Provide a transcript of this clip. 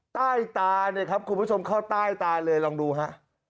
ใต้ตาเนี่ยครับคุณผู้ชมเข้าใต้ตาเลยลองดูฮะ